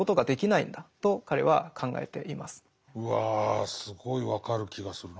うわすごい分かる気がするなぁ。